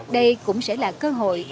đây cũng sẽ là cơ hội